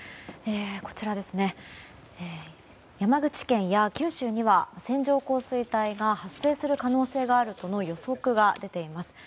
こちら、山口県や九州には線状降水帯が発生する可能性があるとの予測が出ています。